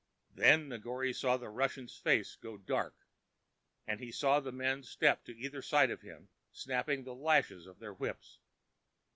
Then Negore saw the Russian's face go dark, and he saw the men step to either side of him, snapping the lashes of their whips.